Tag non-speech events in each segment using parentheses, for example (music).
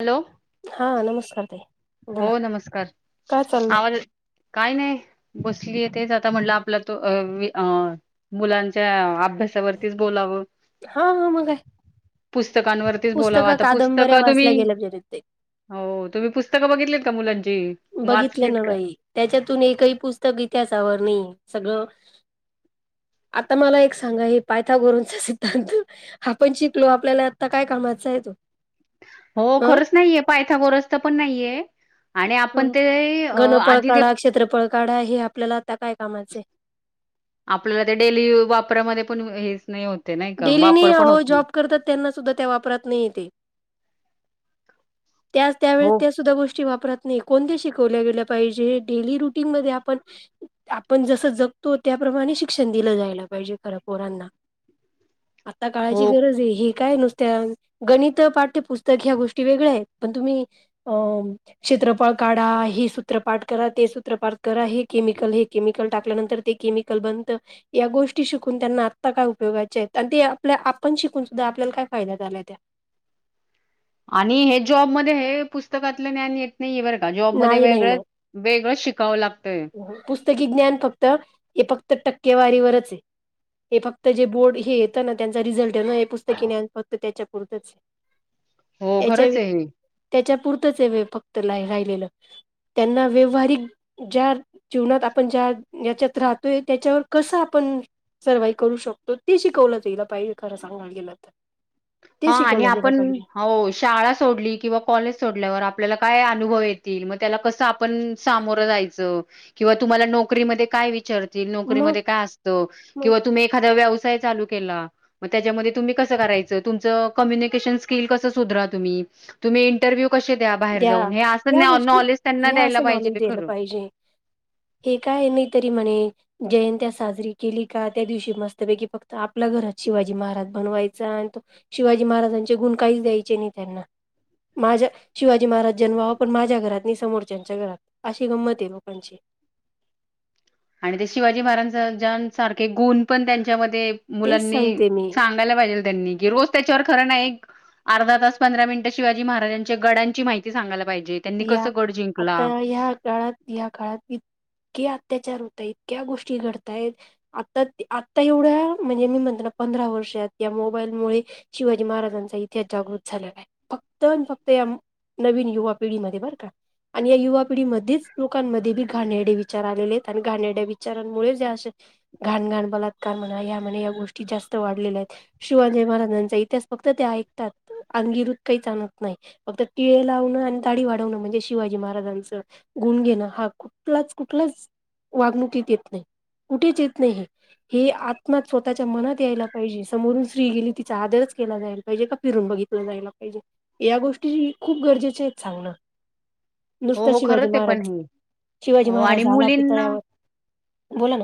Hello. हा नमस्कार ताई. बोला हो नमस्कार काय चाललं आवाज य काय नाही बसली. तेच आता म्हटलं आपला तो अ मी अ मुलांच्या आ अभ्यासावरतीच बोलावं. हा हा मगय. पुस्तकवरतीच बोला आता पुस्तकं वाचल्या तुम्ही गेल्या जरीत ते हो तुम्ही पुस्तकं बघितली का मुलांची. बघितलं वाचलीत न का बाई त्याच्यातून एकही पुस्तक इतिहासावर नाही सगळं. (inaudible) आता मला एक सांगा हे पायथा गोरूंचा सिद्धांत आपण शिकलो आपल्याला आता काय कामा चा आहे तो. हो अ खरंच नाहीे पायथा बोरसच पण नाहीये. आणि आपण ते अ घनफळ आधी ते. काढा क्षेत्रफळ काढा हे आपल्याला आता काय कामाचें. आपल्याला ते डेली वापरामध्ये पण येत नाही होत. नाही का डेली वापर नेय पण वो नाही जॉब करतात त्यांना सुद्धा त्या वापरात नाही येते. त्याच त्या ववेळेस हो त्या सुद्धा गोष्टी वापरत! नाही कोणत्या शिकवल्या गेलं पाहिजे डेली रुटीन म आपण आपण जस जगतो त्या! प्रमाणे शिक्षण दिलं जायला पाहिजे खरं पोरांना. (inaudible) आता काळाची हो गरज आहे, हे काय नुसत्या गणित पाठ्यपुस्तक ह्या गोष्टी वेगळ्या आहेत. पण तुम्ही अ क्षेत्रफळ काढा हे सूत्र पाठ करा ते सूत्र पाठ करा. ममल टाकल्यानंतरमिकल (unintelligible) ब या गोष्टी शून त्यांना आ काय उयोा आणि ते आपल्या आपण शिकून सुद्धा आपल्याला काय फाय्या झाला त्या. आणि हे जॉब मध्ये हे पुस्तकातलं ज्ञान येत नाही बर का. नाही जॉबमध्येध्ये नाही वेगळ नाही वेळच शिकावं लागत. पुस्तकी ज्ञान फक्त हे फक्त टक्केवारीवरच आहे. हे फक्त जे बोर्ड हे येतं ना त्यांचा रिझल्ट आहे, ना हे पुस्तकीने ज्ञान फक्त त्याच्यापुरतच. हो याच्या खरंच आहे हे त्याच्या पुरतच लाईफ फक्त राहिलेलं त्यांना व्यवहारिक ज्या जीवनात आपण ज्या याच्यात राहतोय, त्याच्यावर कसं आपण सर्वाइ करू शकतो, ते शिकवलं पाहिजे खरं सांगयला गेलं तर ते हा आणि शिकवलं गेलं आपण पाहिजे हो शाळा सोडली किंवा कॉलेज सोडल्यावर आपल्याला काय अनुभव येतील मग त्या कस आपण सामोर जायच किंवा तुम्हाला नोकरी मध्ये काही काय विचारतील मग नोकरीमध्ये काय असतं मग किंवा तुम्ही एखादा व्यवसाय चालू केला मग, त्याच्या मध्ये तुम्ही कसं करायचं? तुमचं कम्युनिकेशन स्किल कसं सुधारावा तुम्ही, तुम्ही इंटरव्हियू कशे द्या बाहेर जाऊन, हे अस या गोष्टी नॉलेज त्यांना या द्यायला असं नॉलेज पाहिजेत द्यायला खरं पाहिजे हे काय नाही तरी म्हने जयंती साजरी केली का? त्या दिवशी मस्तपैकी फक्त आपल्या घरात शिवाजी महाराज बनवायचा आणि शिवाजी महाराजांचे गुण काहीच द्यायचे नाही त्यांना, माझ्या शिवाजी महाराज जन्मावा पण माझ घरात नई, समोरच्या घरात अशी गंमत आहे लोकांची आणि ते शिवाजी महाराजां सारखे गुण पण त्यांच्यामध्ये ते तेच मुलांनी सांगते मी. सांगायला पाहिजे त्यांनी कि रोज त्याच्यावर खरंना एक अर्धा तास पंधरा मिनिट शिवाजी महाराजांच्या गडांची माहिती सांगायाला या आता या काळात या काळात इतके अत्याचार होतायत, इतक्या गोष्टी घडतायत आता, आता एवढ्या म्हणजे मी म्हनते ना पंधरा वर्ष त्या मोबाईल मुळे शिवाजी महाराजांचा इतिहास जागृत झालेला आहे फक्त -फक्त या नवीन युवा पिढीमध्ये बरं का- आणि या युवा पिढीमध्येच लोकांमध्ये बी घाणेरडे विचार आलेले आहेत, आणि घाणेरड्या विचारांमुळे या अशा घाण घाण बलात्कार म्हणा, या मध्ये या गोष्टी जास्त वाढलेल्या आहेत, शिवाजी महाराजांचा इतिहास फक्त फक्त ते ऐकतात, अंगिरूत काहीच आणत नाही, फक्त टिळे लावण- - दाडी वाढवणं म्हणजे शिवाजी महाराजांचं गुण घेणं हा कुठलाच कुठलाच वागणुकीत येत नाही, कुठेच येत नाही हे हे आत्म स्वतःच्या मनात यायला पाहिजे, समोरून स्त्री गेली तिचा आदरच केला जायला पाहिजे, का फिरून (unintelligible) जाला पाहिजे या गोष्टी खूप गरजेचे आहेत सांगण. हो नुसतं हो शिवाजी खरंच आहे पण महाराज हे शिवाजी हो आणि महाराज आला मुलींना पुतळ्यावर बोला ना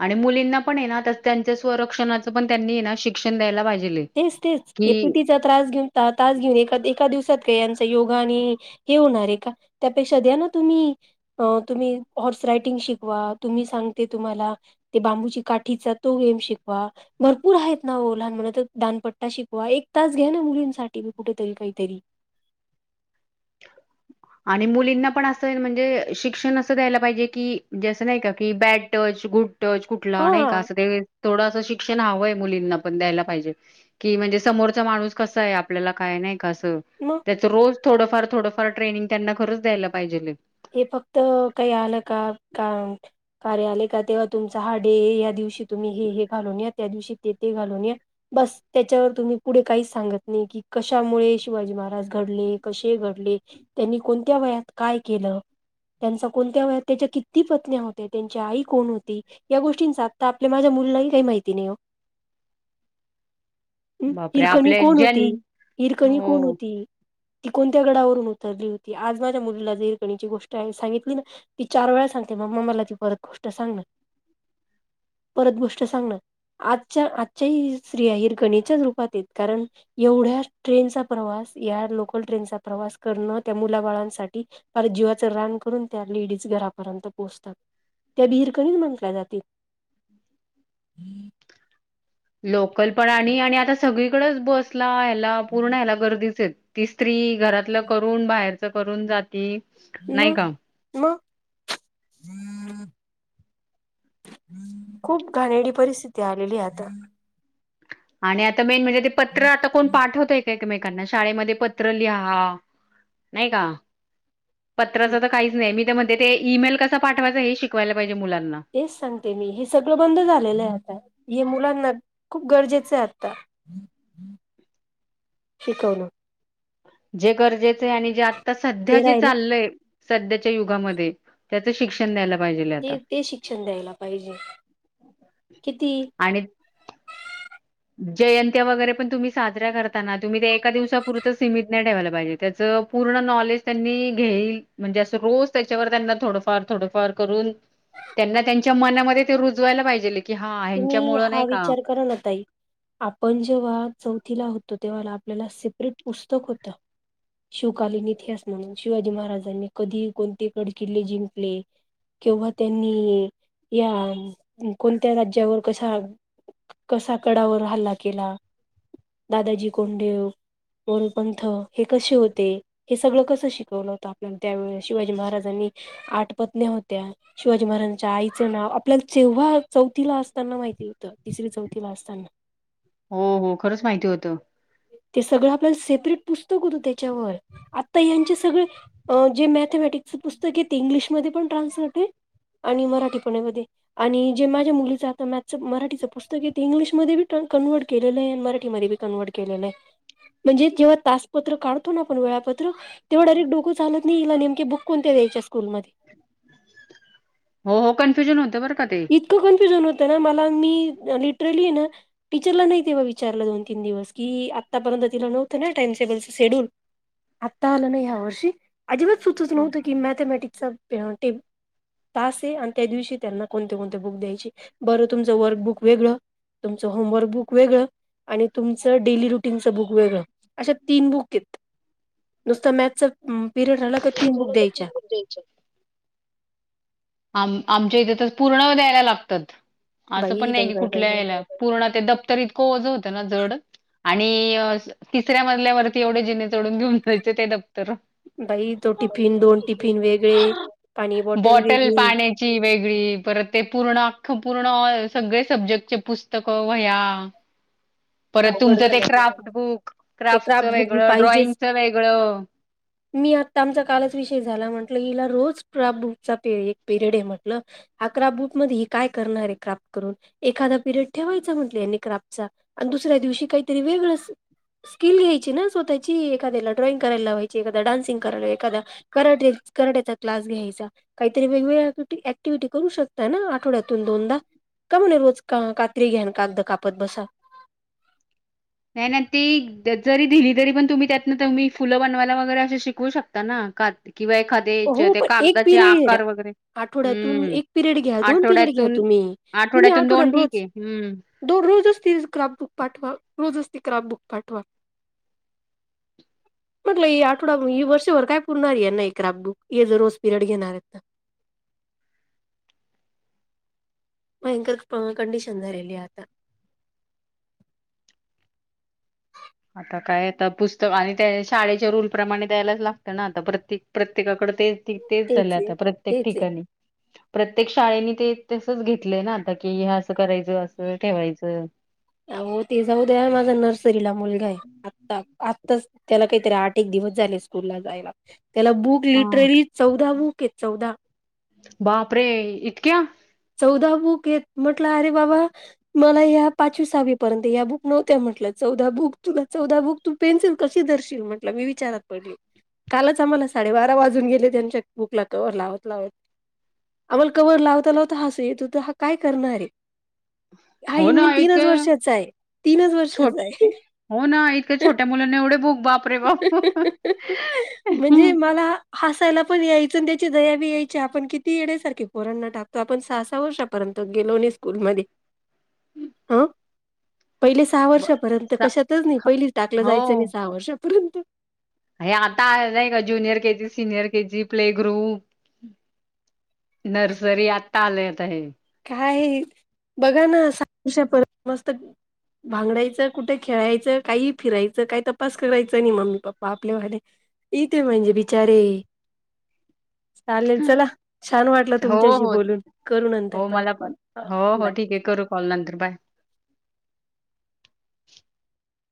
आणि मुलींना पण आहे नाता त्यांच्या स्वरक्षणाचं पण त्यांनी ना शिक्षण द्यायला पाहिजे. तेच -तेच एपीटीचा त्रास घेऊन तास घेऊन एका, एका दिवसात यांचा योगाने हे होणारे का? त्या पेक्षा द्याना तुम्ही, अ तुम्ही हॉर्स रायडींग शिकवा तुम्ही सांगते, तुम्हाला ते बांबूची काठीचा तो गेम शिकवा भर पुर आहेत ना ओ लहान मुलं तर दानपट्टा शिकवा एक तास घ्या ना मुलींसाठी मी कुठेतरी काहीतरी (inaudible) आणि मुलींना पण असं म्हणजे शिक्षण असं द्यायला पाहिजे की ज असं नाही का की बॅड टच गुड टच कुठला नाही का हा असं ते थोडंसं शिक्षण हवंय मुलींना पण द्यायला पाहिजे की, म्हणजे समोरचा माणूस कसा आहे आपल्याला काय नाही कसं मग त्याचं रोज थोडंफार थोडंफार ट्रेनिंग त्यांना खरंच द्यायला पाहिजे. हे फक्त काही आलं का? का कार्या आले का तेव्हा तुमचा हा डे या, दिवशी तुम्ही हे हे घालून या त्या दिवशी ते घालून या बस, त्याच्यावर तुम्ही पुढे काहीच सांगत नाही की, कशामुळे शिवाजी महाराजड घडले कशे घडले त्यांनी कोणत्या वयात काय केलं? त्यांचा कोणत्या? त्यांच्या किती पत्नी होत्या त्यांच्या आई कोण होती? या गोष्टींचा आता आपल्या माझ्या मुलालाही काही माहिती नाही हो (unintelligible) हम् बापरे! हिरकणी आपल्या कोण जन होती? हिरकणी कोण हो. होती? ती कोणत्या गडावरून उतरली होती? आज माझ्या मुलीला जर्- ची गोष्ट आहे सांगितली, ना ती चार वेळा सांगते मग म मला ती परत गोष्ट सांगना. परत गोष्ट सांगणं. आजच्या आजच्याही स्त्रीया हिरकणीच्याच रूपातेत कारण एवढ्या ट्रेनचा प्रवास- या लोकल ट्रेनचा प्रवास करण त्या मुलाबाळांसाठी- पर जीवाचं रान करून त्या लेडीज घरापर्यंत पोहोचतात. त्या बिरकणीच म्हटल्या जातील. कल्पणाणी आणि आता सगळीकडेच बसला या्यायला पूर्ण या्यायला गर्दीचे आहेत ती स्त्री घरातलं करून बाहेरच करून जाती म नाही का? म खूप घाणेडी परिस्थिती आलेली आता आणि आता मेन म्हणजे ते पत्र आता कोण पाठवतय कामेकांना शाळेमध्ये पत्र लिहा नाही का पत्राच तर काहीच नाही मी त्या म्हध्ये ते ईमेल कसा पाठवायचां हे शिकवायला पाहिजे मुलांना तेच सांगते मी हे सगळं बंद झालेलं आहे आता हे मुलांना खूप गरजेचं आहे आता शिकवलं जे गरजेचं आहे आणि जे आता सध्या ते जे राहिलं चाललंय सध्याच्या युगामध्ये त्याचं शिक्षण द्यायला पाहिजेल आता ते ते शिक्षण द्यायला पाहिजे किती आणि जयंत्या वगैरे पण तुम्ही साजऱ्या करताना तुम्ही ते एका दिवसापुरतं सीमित नाही ठेवायला पाहिजे त्याच पूर्ण नॉलेज त्यांनी घेईल म्हणजे अस रोज त्याच्यावर त्यांना थोडफार थोडफार करून त्यांना त्यांच्या मनामध्ये ते रुजवायला पाहिजे तुम्ही हा विचार कर ना आताई आपण जेव्हा चौथीला होतो तेव्हा आपल्याला सिपरेट पुस्तक होतं शिवकालीन इतिहास म्हणून शिवाजी महाराजांनी कधी कोणते कड किल्ले जिंकले किंवा त्यांनी या कोण त्या राज्यावर कसा कसा कडावर हल्ला केला दादाजी कोंडेव मोरपंथ हे कसे होते हे सगळं कसं शिकवलं होतं आपल्याला त्यावेळे शिवाजी महाराजांनी आठ पत्न्या होत्या शिवाजी महाराज आईच नाव आपल्याला तेव्हा चौथीला असताना माहिती होत तिसरी चौथीला असताना हो हो खरंच माहिती होतं ते सगळं आपल्या सेपरेट पुस्तक होत त्याच्यावर आता यांचे सगळ जे म मॅथमेटिकच पुस्तकेते इंग्लिमध्ये पण ट्रान्सलेट आणि मराठीपणामध्ये आणि जे माझ्या मुलीचं आता मॅच मराठीचं पुस्तक आहे ते इंग्लिशमध्ये भी ट कनवर्ट केलेलं मराठी म बी कनवर्ट म्हणजे जेव्हा तासपत्र काढतो ना आपण वेळापत्र तेवढ डरेटडोक चालत नाहीईला नेकेुक कोण्यायच्या स्कू ममध्ये हो हो कन्फ्युजन होत बर इतकं कन्फ्युजन होत म लिली टीचला विचार द तन दिव क आ त नव्हत ना टाइम टेबलच शेड्यूल आता आलं नाही ह्या वर्षी अजिबात सुचत हां. नव्हतं की मॅथमॅटिक्सचा टे तास आहे आणि त्या दिवशी त्यांना कोणते कोणते बुक द्यायची बरं तुमचं वर्क बुक वेगळं तुमचं होमवर्क बुक वेगळं आणि तुमचं डेली रुटीनचं बुक वेगळं अशा तीन बुक येत नुसत मॅथच पिरयड अलग आम आमच्या इथे तर पूर्ण द्यायला लागतात असं पण बाई नाही बाई की बाई बाई कुठल्या बाई याला पूर्ण ते दप्तर इतकंओज होतं ना जड आणि तिसऱ्या मजल्यावरती एवढे जिणे चोढून घेऊन जायचे ते.. बाई तो टिफिन दोन टिफिन वेगळे पाणी बॉटल... वेगळी पाण्याची वेग... ग परत ते पूर्ण सगळे सब्जेक्टचे पुस्तक वह्या (unintelligible) परत अवघड तुमचं ते झालंय क्राफ्ट बुक ते क्राफ्टचं क्राफ्ट बुक वेगळं पाहिजेच ड्रॉइंगचं वेगळं... मी आता आमचा कालच विषय झाला म्हटलं. हिला रोज क्रॉपबुकचा एक पिरियड आहे म्हंटलं अकरा बुक मधी ही काय करणार आहे काम.. एखादा पिरियड ठेवायचा म्हटलं क्रापचा आणि दुसऱ्या दिवशी काहीतरी वेगळं.. स्किल घ्यायची ना स्वतःची एखाद्याला ड्रॉइंग करायला लावायची एखाद्याला डान्सिंग करायला एखाद्याला कराठे... कराठीचा क्लास घ्यायचा काहीतरी वेगवेगळ्या ऍक्टिव्हटी करू शकता ना आठवड्यातून दोनदा... का म्हणे रोज कात्री घ्यान कागद कापत बसा... नाही नाही ते जरी दिली तरी पण तुम्ही त्यातन तुम्ही फुलं बनवायला वगैरे असे शिकवू शकता ना. का किंवा एखाद्या हो त्या पण एक कागदाचे पिरियड आकार वगैरे... आठवड्यातून हम्म एक पिरियड घ्या दोन पिरियड घ्या आठवड्यातून तुम्ही तुम्ही आठवड्यातून आठवड्याल दोन ठीक रोज.. आहे हम्म दोन रोजच ती क्राप बुक पाठवा रोजच ती क्राफ बुक पाठवा.. म्हटलं आठवडा ह वर्षभर काय पुरणार आहे याना हे क्रॉपबुक. ए ज रोज पिरड घेणार हयात ना... भयंकर कंडिशन झाली आहे आता.. (inaudible) आता काय आता पुस्तक आणि त्या शाळेच्या रूलप्रमाणे द्यायलाच लागतं ना आता प्रत्येक प्रत्येकाकड तेच की तेच झालंय आहे आता प्रत्येक तेच आहे ठिकाणी... प्रत्येक शाळेनी ते तसच घेतलंय ना आता कि हे असं करायचं असं ठेवायचं. आओ ते जाऊ द्या माझा नर्सरीला मुलगा आहे आत्ता आत्ताच.. त्याला काहीतरी आठ एक दिवस झाले स्कूलला जायला. त्याला बुक हा लिटरली चौदा बुक आहे चौदा.. बापरे इतक्या.. चौदा बुक येत म्हटलं अरे बाबा मला या पाचवी सहावी पर्यंत या बुक नव्हत्या म्हंटल. चौदा बुक तुला चौदा बुक तू पेन्सिल कशी धरशील म्हटलं मी विचारात पडली. कालच आम्हाला साडेबारा वाजून गेले त्यांच्या बुकला त लावत लावत. आम्हाला कवर लावता लावता हस य तो तर हा काय करणार आहे. हा हो ईन ना मीन तीनच इतक्या वर्षाचा आहे तीनच छोट वर्षाचा आहे. हो ना इतक्या छोट्या मुलांना एवढे बुक बापरे बाप.. हासायला पण यायचं त्याची दया बी यायची आपण किती येड्यासारखे पोरांना टाकतो आपण सहा सहा वर्षापर्यंत.. गेलो ना स्कूल मध्ये ह.. पहिले सहा ब वर्षापर्यंत स कशातच नाही पहिली टाकलं जायचं आणि हो. सहा वर्षापर्यंत.. हे आता आहे नाही का junior KG senior KG play group... nursery आता आलंय आता हे.. काय बघा ना सहाषप मस्त... बागड्याचं कुठं खेळायचं काही फिरायचं काही तपास करायचं नाही मम्मी पप्पा आपल्या भाले.... इथे म्हणजे बिचारे.. (inaudible) चालेल चला छान वाटलं हो, तुमच्याशी हो. बोलून करू हो नंतर... परत मला कॉल पण हो बाय हो ठीक आहे करू कॉल नंतर बाय...